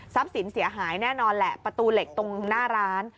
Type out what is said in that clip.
สินเสียหายแน่นอนแหละประตูเหล็กตรงหน้าร้าน